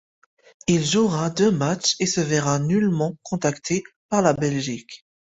Il jouera deux matchs et se verra nullement contacté par la Belgique.